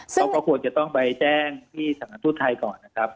เขาก็ควรจะต้องไปแจ้งที่สถานทูตไทยก่อนนะครับ